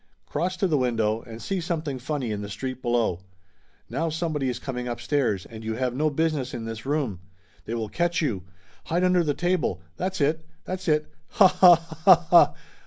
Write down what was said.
Cross to the window and see something funny in the street below. Now somebody is coming upstairs, and you have no business in this room. They will catch you! Hide under the table. That's it ! That's it ! Ha, ha, ha, ha